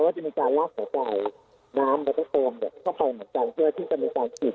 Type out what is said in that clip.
ก็จะมีการล่าข่าวใจน้ำแล้วก็ต้องเนี่ยใช้ไปเหมือนกันเพื่อที่จะมีฟังยุทธ